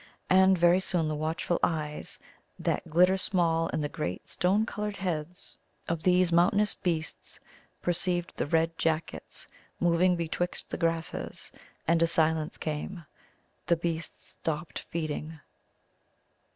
And very soon the watchful eyes, that glitter small in the great stone coloured heads of these mountainous beasts, perceived the red jackets moving betwixt the grasses. And a silence came; the beasts stopped feeding.